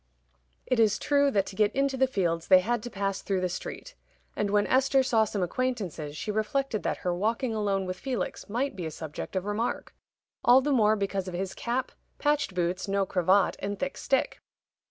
It is true that to get into the fields they had to pass through the street; and when Esther saw some acquaintances, she reflected that her walking alone with Felix might be a subject of remark all the more because of his cap, patched boots, no cravat, and thick stick.